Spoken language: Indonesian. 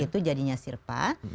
itu jadinya silpa